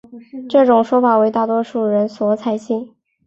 这种说法为大多数人所采信。